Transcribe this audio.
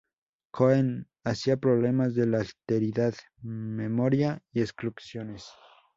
Cohen hacia problemas de la alteridad, memoria y exclusiones.